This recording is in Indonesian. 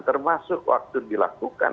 termasuk waktu dilakukan